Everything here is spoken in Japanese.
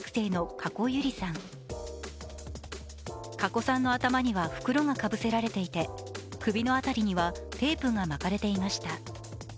加古さんの頭には袋がかぶせられていて、首の辺りにはテープが巻かれていました。